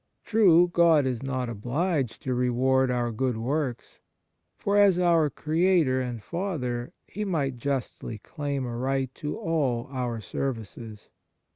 True, God is not obliged to reward our good works, for as our Creator and Father He might justly claim a right to all our services.